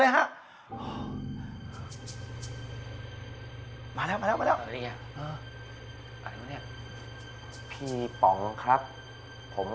เราไม่สามารถติดต่อกับน้องทางฟัง